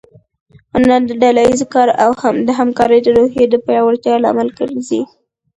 هنر د ډله ییز کار او د همکارۍ د روحیې د پیاوړتیا لامل ګرځي.